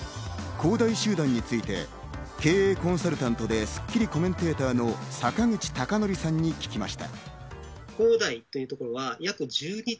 恒大集団について経営コンサルタントでスッキリコメンテーターの坂口孝則さんに聞きました。